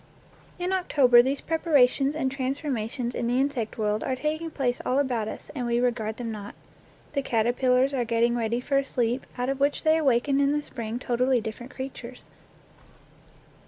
In October these preparations and transforma tions in the insect world are taking place all about us, and we regard them not. The caterpillars are getting ready for a sleep out of which they awaken in the spring totally different creatures.